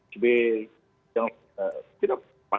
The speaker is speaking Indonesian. sebagai yang tidak berpikir